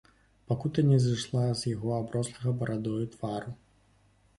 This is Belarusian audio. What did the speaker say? Пакута не зышла з яго аброслага барадою твару.